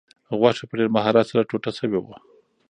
غوښه په ډېر مهارت سره ټوټه شوې وه.